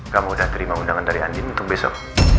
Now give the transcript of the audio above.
kamu sudah terima undangan dari andin untuk besok